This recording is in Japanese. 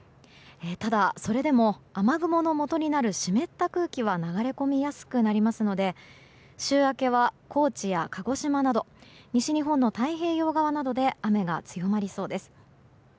ただ、それでも雨雲のもとになる湿った空気は流れ込みやすくなりますので週明けは高知や鹿児島など西日本の太平洋側などで雨が強まりそうです。